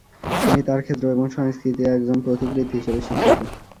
তিনি তার ক্ষেত্র এবং সংস্কৃতিতে একজন পথিকৃৎ হিসেবে স্বীকৃত।